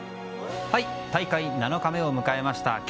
大会７日目を迎えました。